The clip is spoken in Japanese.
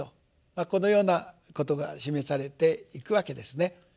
このようなことが示されていくわけですね。